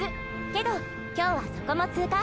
けど今日はそこも通過。